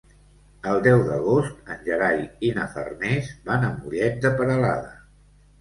El deu d'agost en Gerai i na Farners van a Mollet de Peralada.